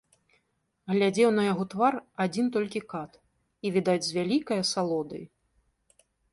Глядзеў на яго твар адзін толькі кат, і, відаць, з вялікай асалодай.